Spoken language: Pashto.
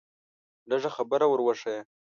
لږه خبره ور وښیه.